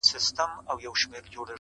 جهاني ډېر به دي غزل په تول د بوسو اخلي.!